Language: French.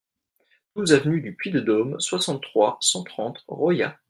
douze avenue du Puy de Dôme, soixante-trois, cent trente, Royat